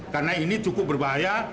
karena ini cukup berbahaya